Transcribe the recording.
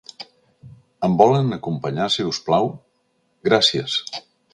Em volen acompanyar, si us plau? Gràcies.